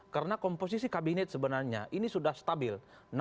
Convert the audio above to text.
karena komposisi kabinet sebenarnya ini sudah stabil